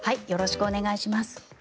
よろしくお願いします。